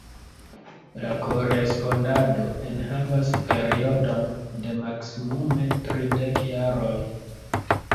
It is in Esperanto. La korespondado enhavas periodon de maksimume tridek jaroj.